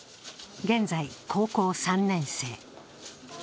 現在、高校３年生。